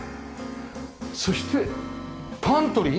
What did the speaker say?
そしてパントリー？